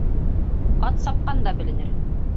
Ат сапҡанда беленер.